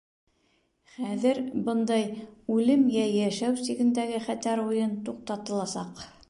Хәҙер бындай үлем йә йәшәү сигендәге хәтәр уйын туҡтатыласаҡ.